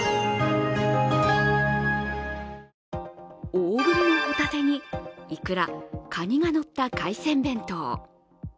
大ぶりのほたてにいくら、かにがのった海鮮弁当。